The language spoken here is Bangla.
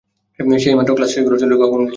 সে এইমাত্র ক্লাস শেষ করে চলে গেছে কখন গেছে?